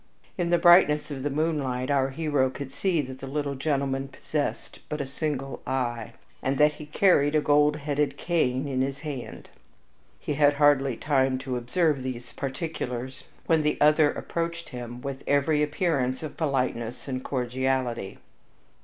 In the brightness of the moonlight our hero could see that the little gentleman possessed but a single eye, and that he carried a gold headed cane in his hand. He had hardly time to observe these particulars, when the other approached him with every appearance of politeness and cordiality.